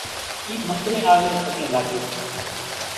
اِي منۮرين آوين پڳين لاڳي سي